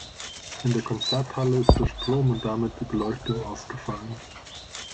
In der Konzerthalle ist der Strom und damit die Beleuchtung ausgefallen.